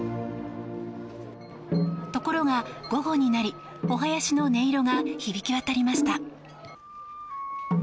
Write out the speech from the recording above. ところが午後になり、おはやしの音色が響き渡りました。